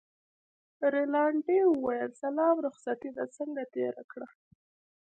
رینالډي وویل سلام رخصتې دې څنګه تېره کړه.